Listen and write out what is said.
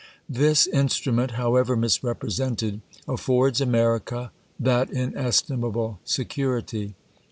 This instrument, however misrepresented, afTords America that inestimable security.